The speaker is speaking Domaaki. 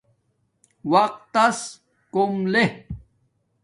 وقت تس کوم لے